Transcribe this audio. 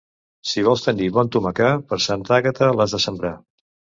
Si vols tenir bon tomacar, per Santa Àgata l'has de sembrar.